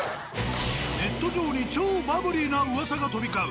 ネット上に超バブリーな噂が飛び交う